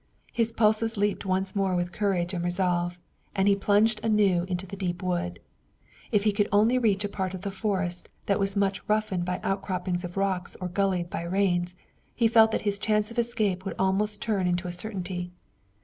His pulses leaped once more with courage and resolve, and he plunged anew into the deep wood. If he could only reach a part of the forest that was much roughened by outcroppings of rock or gulleyed by rains, he felt that his chance of escape would almost turn into a certainty.